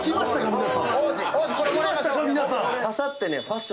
皆さん。